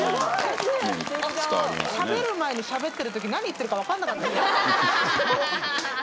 食べる前にしゃべってる時何言ってるか分からなかったでしょ？